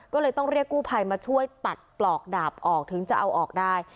ก็เลยต้องเรียกกู้ภัยมาช่วยตัดปลอกดาบออกถึงจะเอาออกได้